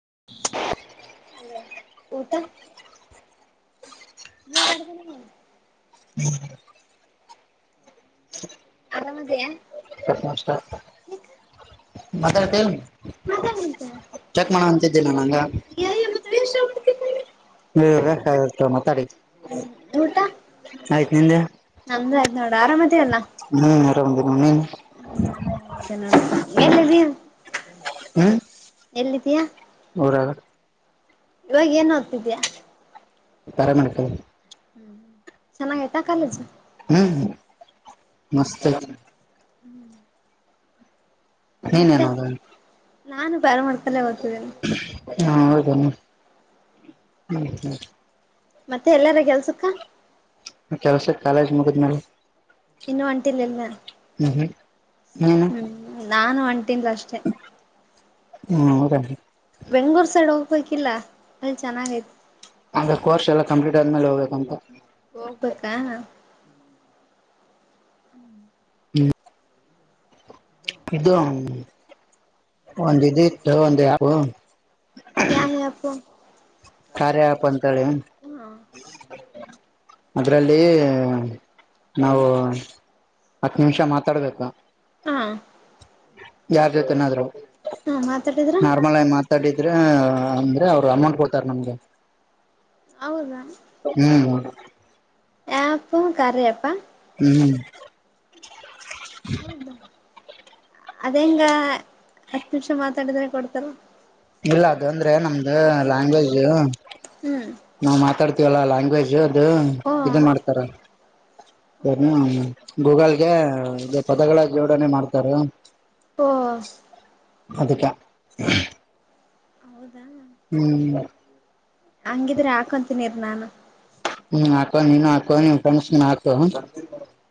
[unintelligible] Hello ಊಟ ನೀನ್ [unintelligible] ನೀ ಆರಾಮದಿಯಾ ಚಕ್ ಮಾತಾಡ್ತ ಮಾತಾಡಂತ ಚೆಕ್ ಮಾಡ ಅಂತಿದ್ದೀ ನ ನಂಗ [unintelligible] ಮತ್ತ ವೇಷ್ಟ ಮಾಡ್ತೀನಿ [unintelligible] ಮಾತಾಡಿ [unintelligible] ಹ್ಮ್ ಊಟ [unintelligible] ನಂದು ಆಯ್ತ್ ನೋಡ ಆರಾಮದೇ ಅಲ್ಲ ಹ್ಮ [unintelligible] ನೀ ಎಲ್ಲದಿ ಹ್ಮ್ ಎಲ್ಲಿದ್ದೀಯಾ ಉರಾಗ ಇವಾಗ ಏನೋದತಿದಿಯಾ ಪ್ಯಾರ್ ಮೇಡಿಕಲ ಹ್ಮ್ ಚೆನ್ನಾಗ ಆಯ್ತಾ ಕಾಲೇಜ್ ಹ ಮಸ್ತ [inaudible] ಹ್ಮ್ ನೀನೇನು [inaudible] ನಾನು ಪ್ಯಾರ ಮಾಡ್ಕಿಲ್ಲೇ ಓದತಿದಿನಿ ಹಾ ಹೌದ ಹ್ಮ ಹ್ಮ ಮತ್ತೆ ಎಲ್ಲಾರ ಕೆಲ್ಸಕ್ಕ ಕೆಲ್ಸಕ್ಕೆ ಕಾಲೇಜ್ ಮುಗಿದ್ಮಲೆ ಇನ್ನು ಒಂಟಿಲ್ಲಿಲ್ಲ ನೀನು ಹ್ಮ್ ನಾನು ಒಂ [inaudible] [unintelligible] ಲಸ್ಟೆ ಹ್ಮದ [unintelligible] ಕಿಲ್ಲ ಅಲ್ಲಿ ಚೆನ್ನಾಗೈತಿ ಅಂಗ ಕೋರ್ಸ್ ಎಲ್ಲ ಕಂಪ್ಲೀಟ್ ಆ ಮೇಲೆ ಹೋಗಬೇಕ ಅಂತ ಹೋಗ್ಬೇಕಾ ಹ್ಮ್ ಹ್ಮ್ ಇದು ಒಂದ ಇ ಇತ್ತು ಒಂದ ಯಾವು ಯಾವ ಆ್ಯಪು ಕಾರಾರ್ಯ ಪ ಕಳೆ ಹಾಂ ಅದರಲ್ಲಿ ನಾವು ಹತ್ತು ನಿಮಿಷ ಮಾತಾಡ್ಬೇಕ ಹಾಂ ಯಾರ್ ಜೊತೆನಾದ್ರು ಮಾತಾಡಿದ್ರ ನಾರ್ಮಲ್ ಆಗಿ ಮಾತಾಡಿ ದ್ರ ಅಂದ್ರೆ ಅವ್ರು ಅಮೌಂಟ್ ಕೊಡ್ತಾರ ನಮ್ಗ ಹೌದಾ ಯ್ಯಾ ಪೂ ಕಾರ್ಯ ಯಾಪಾ ಹ್ಮ್ ಹೌದಾ ಅದೇ ಹೆಂಗ ಹತ್ತನಿಮಿಷ ಮಾತಾಡಿದ್ರೆ ಕೊಡ್ತರ ಇಲ್ಲ ಅದ ಅಂದ್ರೆ ನಮ್ದು ಲ್ಯಾಂಗ್ವೇಜ್ ಹ್ಞೂ ನಾವ್ ಮಾತಾಡ್ತೀ ತಿವಲಾ ಲಾಂಗ್ವೇಜ್ ಅ ಓ ಇದು ಮಾಡ್ತಾರ [unintelligible] ಗೂಗಲ್ಗೆ ಪದಗಳ ಜೋಡನೇ ಮಾಡ್ತಾರೆ ಓ ಅದಕ್ಕೇ ಹೌದು ಹಂಗಿದ್ರೆ ಹಾಕಂತನಿರಿ ನಾನು ಹ್ಮ್ ಹಾಕೊ ನೀನು ಹಾಕೊ ನಿನ್ನ ಫ್ರೆಂಡ್ಸ್ಗೂ ಹಾಕು ಹ್ಮ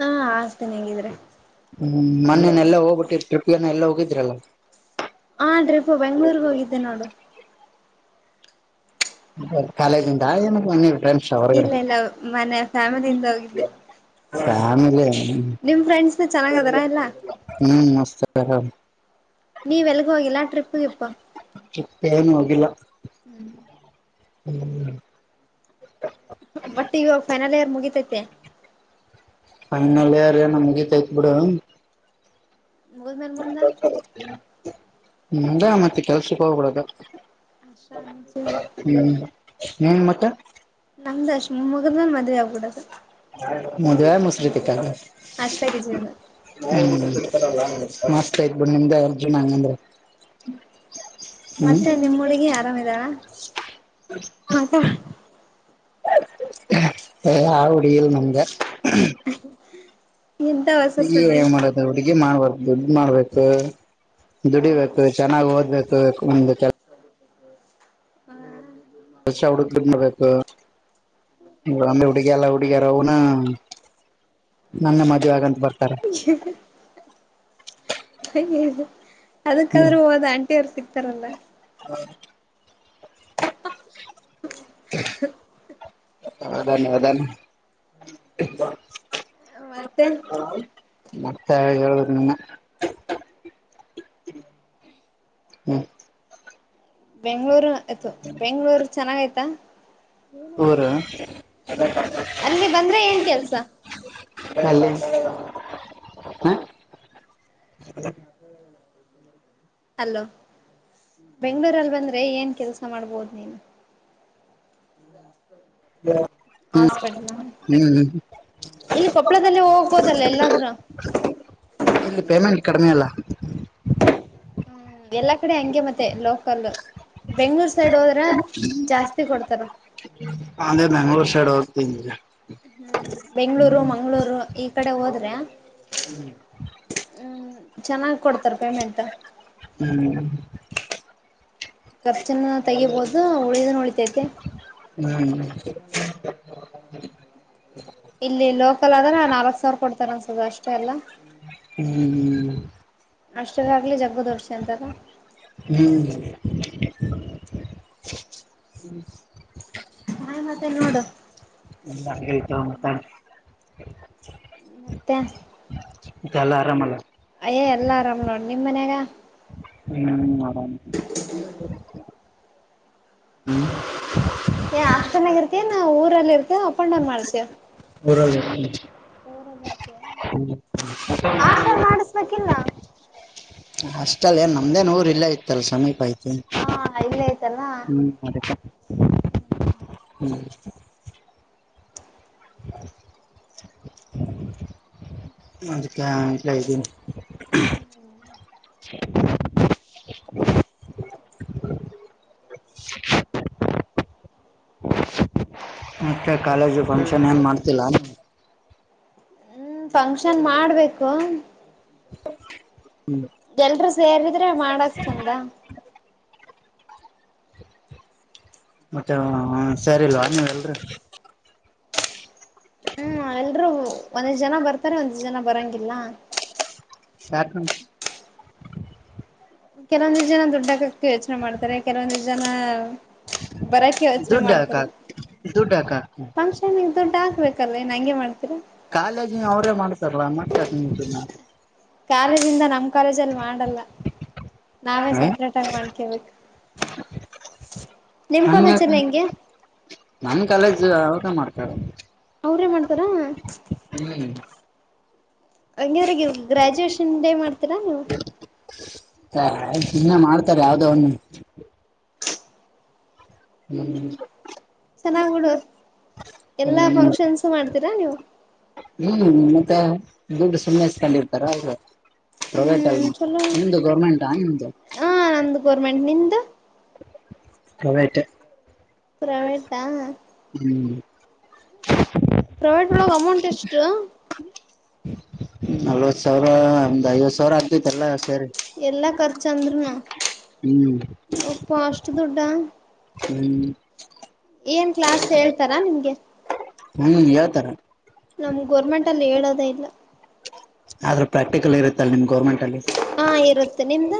ಹಾ ಹಾಕ್ತೀನಿ ಹಂಗಿದ್ರೆ ಮೊನೇನೆಲ್ಲ ಹೋಗ್ಬಿಟ್ಟಿ ಟ್ರಿಪ್ಪೀಗೇನ ಎಲ್ಲ ಹೋಗಿದ್ರಲ್ಲ ಹಾ ಟ್ರಿಪ್ ಬೆಂಗ್ಳೂರ್ಗ್ ಹೋಗಿದ್ದೆ ನೋಡು ಕಾಲೇಜಿಂದ ಏನ [unintelligible] ಇಲ್ಲ ಇಲ್ಲ ಮನೆ ಫ್ಯಾಮಿಲಿಯಿಂದ ಹೋಗಿದ್ದೆ ನಿಮ್ ಫ್ರೆಂಡ್ಸ್ ಚೆನ್ನಾಗ ಅದಾರ ಎಲ್ಲ ನೀವೆ ಎಲ್ಲ ಹೋಗಿಲ್ಲಾ ಟ್ರಿಪ್ಗೆ [inaudible] ಟ್ರಿಪ್ ಹ್ಮ್ ಹ್ಮ್ ಮತ್ತೆ ಇವಾಗ ಫೈನಲ್ ಇಯರ್ ಮುಗಿತೈತೆ. [unintelligible] ಮುಗತೈತ್ ಬಿಡ. ಮುಗಿದ್ಮೇಲೆ ಮುಂದ [unintelligible] ಹ್ಮದ ಮತ್ತೆ ಕೆಲ್ಸಕ್ ಹೋಗ್ಬಡದ. [unintelligible] ನೀನ್ ಮತ್ತೆ ನಮ್ದ ಅಷ್ ಮುಮ್ಮಗದನ ಮದುವೆ ಆಗ್ಬಿಡೋದು. ಮದುವ್ಯಾಗಿ ಮುಸರೀ ತಿಕ್ಕದು ಅಷ್ಟಾಗಿ ಜೀವನ ಆಯ್ತು ಬಿಡು ನಿಮ್ದೇ [unintelligible] ಮತ್ತೆ ನಿಮ್ಮ ಹುಡುಗಿ ಅರಾಮಿದಾಳ ಮಾತಾ. ಹೇಯ್ ಯಾವ್ ಹುಡುಗಿ ಇಲ್ಲ ನಮ್ಗೆ [unintelligible] ಎಂತ ಹೊಸ ನೀ ಸುದ್ದಿ ಏನ್ ಮಾಡದ ಹುಡುಗಿ ಮಾಡ್ಬಾರು ದುಡ್ ಮಾಡ್ಬೇಕು ಓ ದುಡಿಬೇಕು ಚೆನ್ನಾಗ್ ಓದ್ಬೇಕು ಒಂದು ಹುಡುಕ್ಲಿಡ್ಬೇಕು [inaudible] ಅಂದೆ ಹುಡುಗಿಯಲ್ಲ ಹುಡುಗಿಯಾರ ಅವನು ನನ್ ಮದ್ವೆ ಆಗಂತ ಬರ್ತ [unintelligible] [unintelligible] ಹ್ಮ್ ಅದಕ್ಕಾದ್ರೂ ಹೋದ ಆಂಟಿ ಅವರು ಸಿಗ್ತಾರಲ್ಲ. [unintelligible] [unintelligible] ಹೌದೇನು ಹೌದೇನು ಮತ್ತೆ. ಮತ್ತೆ ಹೇಳ್ಬೇಕು ನೀನೆ [inaudible] ಹ್ಮ್ ಬೆಂಗಳೂರು ಹೇಯ್ ಥು ಬೆಂಗಳೂರು ಚೆನ್ನಾಗ ಆಯ್ತಾ. ಊರು. ಅಲ್ಲಿ ಬಂದ್ರೆ ಏನ್ ಕೆಲ್ಸ [unintelligible] ಹಾ ಹಲೋ ಬೆಂಗಳೂರಲ್ಲಿ ಬಂದ್ರೆ ಏನ್ ಕೆಲ್ಸ ಮಾಡ್ಬೋದು ನೀನು. [unintelligible] ಹ್ಮ್ ಹಾಸ್ಪಿಟ್ಲ್ [inaudible] ಇಲ್ಲಿ ಕೊಪ್ಪಳದಲ್ಲೇ ಹೋಗ್ಬೋದಲ್ಲ ಎಲ್ಲಾದ್ರೂ ಇಲ್ಲಿ ಪೇಮೆಂಟ್ ಕಡಿಮೆ ಅಲ್ಲ ಹ್ಮ್ ಎಲ್ಲಾ ಕಡೆ ಹಂಗೆ ಮತ್ತೆ ಲೋಕಲ್ [inaudible] ಬೆಂಗ್ಳೂರ್ ಸೈಡ್ ಹೋದ್ರೆ ಜಾಸ್ತಿ ಕೊಡ್ತಾರ. ಅದೇ ಬೆಂಗಳೂರು [unintelligible] ಹ್ಮ್ ಬೆಂಗಳೂರು ಮಂಗಳೂರು ಈ ಕಡೆ ಹೋದ್ರೆ [inaudible] ಹ್ಮ್. ಚೆನ್ನ್ ಕೊಡ್ ಸ ರೂಪಿ ಮಂಟ ಹ್ಮ್ [unintelligible] ಕ ಚೆನ್ನ ತೆಗಿಬಹುದು ಉಳಿದ ಉಳಿತೈತೆ ಹ್ಮ್ [inaudible] ಇಲ್ಲಿ ಲೋಕಲ್ ಆದ್ರೆ ನಾಲ್ಕಕ್ ಸಾವಿರ ಕೊಡ್ತಾರ ಅನ್ಸದ ಅಷ್ಟೆ ಎಲ್ಲಾ ಹ್ಮ್ ಹ್ಮ್ [unintelligible] ಅಂತಾಲ್ಲ ಹ್ಮ್. ಹ [unintelligible] ನಾಯ ಮತ್ತೆ ಎಲ್ಲೋಡ ಹಂಗಯ್ತ ಮ ಹ ಮತ್ತೆ ಯಾಲ್ಲ ಆರಾಮಲ್ಲ ಯ್ಯೇ ಎಲ್ಲಾ ಆರಾಮ್ ನೋ ನಿಮ್ಮ ಮನ್ಯಾಗ ಹ್ಮ್ ಆರಾಮ್ [unintelligible] ನಾ ಹ್ಮ್ ಹಾಸ್ಟೆಲ್ ಯಾಲ್ಲಿ ಇರ್ತೇ ನಾವುಊರಲ್ಲಿ ಇರ್ೇವ ಅಪ್ ಅಂಡ್ ಡೌನ್ ಮಾಡ್ತೇವ ಹೂರ ಹರ [inaudible] ಹಾಸ್ಟೆಲ್ ಮಾಡಿಸಬೇಕ ಕಿಲ್ಲ ಅಷ್ಟಲ್ಲನ್ ನಮ್ದೇನ್ ಊರ್ ಇಲ್ಲ ಇತ್ತಲ್ಲ ಸಮೀಪ ಇತ ಹಾ ಇಲ್ಲೇ ಐತಲ್ಲ ಹ್ಮ್ತ್ತ ಹ್ಮ್ ಅದಕಲ ಇದಿದ್ದನ ಮತ್ತೆ ಕಾಲೇಜು ಫಂಕ್ಷನ್ ಏನ್ ಮಾಡ್ತಿಲ್ಲಾ ಹ್ಮ್ ಫಂಕ್ಷನ್ ಮಾಡ್ಬೇಕು [inaudible] ಎಲ್ರುೂ ಸೇರಿದ್ರೆ ಮಾಡಕ್ ಚಂದ ಮತ್ತೆ ಸರಿಲ್ವಾ ನೀವ ಎಲ್ರರಿ ಹ್ಮ್ ಎಲ್ರುೂ ಒಂದ್ ಜನ ಬರ್ತಾರೆ ಒಂದ್ ಜನ ಬರಂಗಗೆ ಅಲ್ಲಾ [unintelligible] ಕೆಲವೊಂದ ಜನ ದುಡ್ ಹಾಕಕ್ಕೆ ಯೋಚನೆ ಮಾಡ್ತಾರೆ ಕೆಲವೊಂದ ಜನ ಬರಾಕಿ ಯೋಚನೆ ದುಡ್ಡು ಯಾಕ್ ಮಾಡ್ತರಿ ಹಾಕ್ ದುಡ್ಡು ಯಾಕ್ ಹಾಕ್ತಿ ಫಂಕ್ಷನ್ಗೆ ದುಡ್ಡ ಬೇಕಲ್ಲ ನಂಗೆ ಮಾಡ್ ಕಾಲೇಜ್ ಅವ್ರೇ ಮಾಡ್ತಾರಲ್ಲ ಅಮ್ಮ ಕಾಲೇಜ್ದ ನಮ್ ಕಾಲೇಜ್ ಅಲ್ಲಿ ಮಾಡ ಅಲ್ಲ ನಾವೇ ಸಪ್ರೇಟ್ ಆಗಿ ಮಾಡ್ಕೇಬೇಕ ಹ ನಿಮ್ಕೊಂದಚರ ಹೆಂಗೆ ನಮ ಕಾಲೇಜ್ [inaudible] ಮಾಡ್ತಾರೆ ಹ [unintelligible] ಹ್ಮ್ ಅಂಗರಗ ಗ್ರ್ಯಾಜುಯೇಷನ್ ಡೇ ಮಾಡ್ತೀರಾ ನೀವು ಚಿನ್ನ ಮಾಡ್ ರ ಯಾವದ ಒನು ಹ್ಮ್ ಚೆನ್ನಾಗುಡೂರು ಎಲ್ಲಾ ಫಂಕ್ಷನ್ಸ್ ಮಾಡ್ತ ರಾ ನೀವು ಹ್ಮ್ ಮತ್ತೆ ದುಡ್ಡು ಸುಮ್ಮನೆ ಸ್ತಾನ ಇರ್ತಾರ ಹ್ಮ್ ಹ ನಿಮ್ದು ನಮಂದು ಗರ್ಮೆಂಟ್ ನಿದು ಹತೆ [inaudible] ಪ್ರಮೀಟಾ ಹ್ಮ್ ಪ್ರೈವೇಟ್ ಒಳಗೆ ಅಮೌಂಟ್ ಎಷ್ಟು ನಲ್ವತ್ ಸಾವಿರ್ದ್ ಐವತ್ತುಾವ ಎಲ್ಲಾ ಖರ್ಚ ಅಂದ್ರರುನು ಹ್ಮ್ ಒಪ್ಪ ಅಷ್ಟ ದುಡ್ಡ ಹ್ಮ್ [unintelligible] ಜಸ್ ಹೇಳ್ತಾರಾ ನಿಮ್ಗೆ ಹ್ಮ್ ಹೇಳ್ತಾರ ನಮ ಗೋರ್ಮೆಂಟ್ ಅಲ್ಲಿ ಹೇಳದೇ ಇಲ್ಲ ಆದ್ರೆ ಪ್ರಾಕ್ಟಿಕಲ್ ಇರುತ್ತಲ್ಲ ನಿಮ್ದ ಹಾ ಇರುತ್ತೆ ನಿಮ್ದ.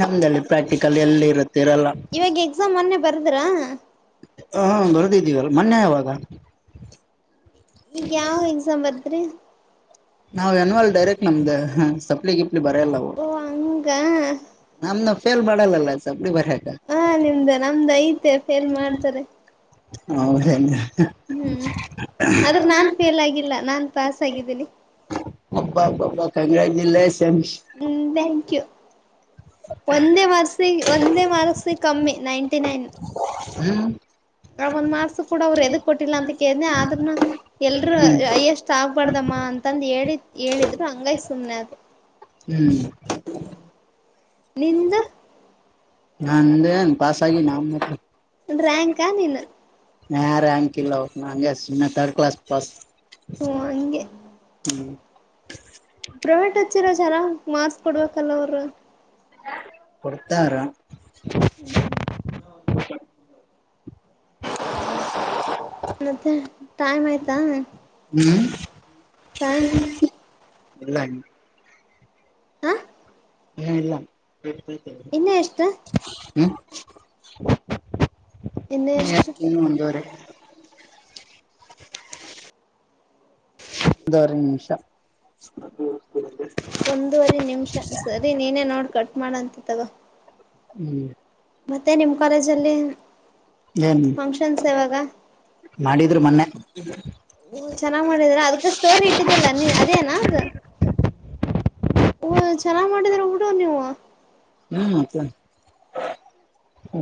ನಮ್ದಲ್ಲಿ ಪ್ರಾಕ್ಟಿಕಲ್ ಎಲ್ಲಿ ಇರುತ್ತೆ ಇರಲ್ಲ ಇವಾಗ ಎಕ್ಸಾಮ್ ಮೊನ್ನೆ ಬರ್ದ್ರಾ ಹಾ ಬರ್ದಿದ್ದೀವಲ್ ಮೊನ್ನೆ ಯಾವಾಗ ಈಗ ಯಾವ ಎಕ್ಸಾಮ್ ಬರದ್ರಿ ನಾವ್ ಎನ್ವಲ್ ಡೈರೆಕ್ಟ್ ನಮ್ದ ಸಪ್ಲಗೆ ಇ ಬರೆಯಲ್ಲ ಓ ಹಂಗ ನಮ ಲ್ ಮಾಡಲ್ಲ ಹಾ ನಿಮ್ದ ನಮ್ದ ಐತೆ ಫೇಲ್ ಮಾಡ್ತಾರೆ ಹೌದ ಹ್ಮ್ ಆದ್ರ ನಾನ್ ಫೇಲ್ ಆಗಿಲ್ಲ ನಾನ್ ಪಾಸ್ ಆಗಿದ್ದೀನಿ ಹಬ್ಬ ಪಬ್ ಕಂಗಾಜಿಲ್ಲ ಹ್ಮ್ ಥಾಂಕ್ ಯು ಒಂದೇ ಮಾರ್ಸ ಒಂದೇ ಮಾರ್ಕ್ಸಿಗೆ ಕಮ್ಮಿ ನೈಂಟಿ ನೈನ್ ಹ್ಮ್ ಆ ಒಂದ್ ಮಾರ್ಕ್ಸ ಕೂಡ ಅವ್ರು ಎದಕ್ ಕೊಟ್ಟಿಲ್ಲ ಅಂತ ಕೇಳನೆ ಆದ್ನು ಎಲ್ರುೂ ಹ್ಮ್ ಎಷ್ಟ್ ಆಗ್ಬಾರಡ್ದಮ್ಮ ಅಂತಂದ ಹೇಳಿ ಹೇಳಿದ್ರು ಹಂಗಾಗಿ ಸುಮ್ನೆ ಅದ ಹ್ಮ್ ನಿಂದ ನಂದ ಏನ್ ಪಾಸ್ ಆಗ ನ ರ್ಯಾಂಕಾ ನೀನ್ ಹ ರ್ಯಾಂಕ್ ಇಲ್ಲ ನಂ ತರ್ಡ್ ಕ್ಲಾಸ್ ಪಾಸ್ ಹ್ಮ ಹಂಗೆ ಹ್ಮ್ ಪ್ರೈವೇಟ್ ಹಚ್ಚಿರ ಜೆನ ಮಾರ್ಸ್ ಕೊಡ್ಬೇಕಲ್ಲ ಅವರು ಕೊಡ್ತರ ಹ್ಮ್ ಹ ಮತ್ತೆ ಟೈಮ್ ಆಯ್ತಾ ಹ್ಮ್ ಟೈಮ್ ಇಲ್ಲ ಹಾ ಹ್ಮ ಎಲ್ಲಾ ರ್ತತ ಇನ್ನ ಎಷ್ಟು ಹ್ಮ್ ಇನ್ನ ಎಷ್ಟು ನೀ ಮುಂದುವರೆ. ಇದಾರೆ ನಿಮಿಷ ಒಂದೂವರೆ ನಿಮಿಷ ಸರಿ ನೀನೇ ನೋಡ್ ಕಟ್ ಮಾಡಂತ ಅತ್ತವಾ ಹ್ಮ ಕಾಲೇಜಲ್ಲಿ ಏನ್ ಫಂಕ್ಷನ್ಸ್ ಯಾವಾಗ ಮಾಡಿದ್ರು ಮೊನ್ನೆ ಹಓ ಚೆನ್ನಾಗ್ ಮಾಡಿದ್ರ ಅದ್ಕ ಸ್ಟೋರಿ ಇಟ್ಟಿದ್ದಲ್ಲ ನೀ ಅದೇನ ಅ ಹಓ ಚೆನ್ನಾಗ್ ಮಾಡಿದಾರ ಡು ನೀವು ಹ್ಮ್.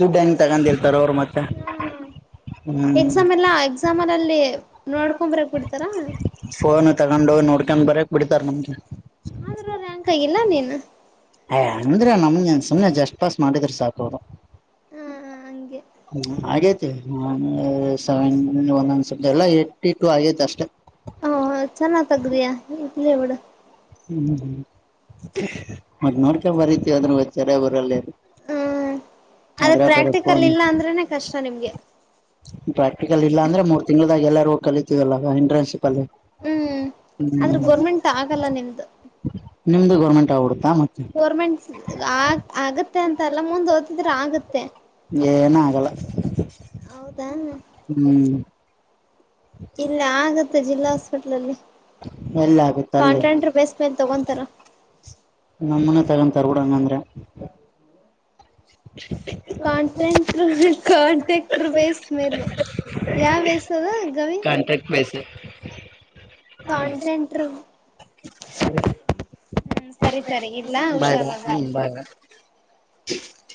ದುಡ್ಡಂಗ ತಗೊಂಡಿ ಹ್ಮ ಹ್ಮ್ ಎಕ್ಸಾಮ್ ಎಲ್ಲಾ ಎಕ್ಸಾಮ್ ಅಲ್ಲಿ ಲ್ಲಿ ನೋಡ್ಕೊಂಬರಕ್ ಬಿಡ್ತಾರಾ ಫೋನ್ ತಗೊಂಡು ನೋಡ್ ಬರಕ್ ಬಿಡ್ತಾರೆ ನಮ್ಗೆ ಆದ್ರೆ ರ್ಯಾಂಕ್ ಎಲ್ಲ ನೀನು [unintelligible] ಅಂದ್ರ ನಮ್ನ್ ಸುಮನೆ ಜಸ್ಟ್ ಪಾಸ್ ಮಾಡಿದ್ರ ಸಾಕರು ಹಾ ಹ್ಮ ಹಂಗೆ ಹ್ಮ ಹಾಗೇತಿ ನ ಸೆವೆನ್ ಒಂದೊಂದಸ ಎಲ್ಲಾ ಏ ರೈಟ್ಸಿಟ್ವೋ ಆಗ್ತಾ ಅಷ್ಟ ತದ್ದಿಯಾ ಇಲ್ಲಿ ಎವಡ ಹ್ಮ್ ಹ್ಮ್ ಮತ್ತ ನೋಡ್ಕೊಂಡ ಬರತಿದ್ರೂ ಚೆನ್ನಾಗ್ ಬರೆಯಲೇನು ಹ್ಮ್ ಅದ ಪ್ರಾಕ್ಟಿಕಲ್ ಇಲ್ಲ ಫೋನ್ ಅಂದ್ರನೆ ಕಷ್ಟ ನಿಮ್ಗೆ ಪ್ರಾಕ್ಟಿಕಲ್ ಇಲ್ಲ ಅಂದ್ರೆ ಮೂರ್ ತಿಂಗ್ ಎಲ್ಲಾರಗ ಕಲಿತೀವಲ್ಲ ಎಂ್ರೆನ್ಸ್ ಹ್ಮ್ ಆದ್ರೆ ಗೋರ್ಮೆಂಟ್ ಆಗಲ್ಲ ನಿಮ್ದು ನಿಮ್ದು ಗೋರ್ಮೆಂಟ್ ಆಡುತ್ತಾ ಗೋರ್ಮೆಂಟ್ ಆ ಆಗತ್ತೆ ಅಂತಲ್ಲ ಮುಂದ ಓದ್ತಿದ್ರೆ ಆಗತ್ತೆ ಏನ ಆಗಲ್ಲ ಹೌದಾ ಹ್ಮ್ ಇಲ್ಲ ಆಗತ್ತ ಜಿಲ್ಲಾ ಹಾಸ್ಪಿಟ್ಲಲ್ಲಿ ಎಲ್ಲ ಆಗುತ್ತೆ ಅಲ್ಲಿ ಕಾಂಟ್ರಾಂಟರ್ ಬೇಸ್ ಮೇಲ್ ತಗೊಂತಾರ ನಮ್ಮನ ತರಂ ಕರ್ಗಡಂಗಂದ್ರೆ [inaudible] ಕಾಂಟ್ರಾಂಕ್ಟ್ರ ಕಾಂಟ್ರ್ಯಾಕ್ಟ್ರ ಬೇಯಸ್ ಮೇಲೆ ಯಾವ ಬೇಸ್ ಅದ ಗವಿ. ಕಾಂಟ್ರಾಕ್ಟ್ ಬೇಸ್ ಕಂಟೆಂಟ್ರ್ ಹ್ಮ್ ಸರಿ ಸರಿ ಇಡ್ಲ ಬಾಯ್ ಬಾಯ್ ಹುಷರು ಬೈ. ಹ್ಮ್ ಬಾಯ್ ಬಾಯ್ [unintelligible]